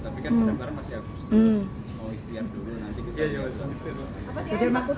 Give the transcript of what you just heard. tapi kan pada malam masih agustus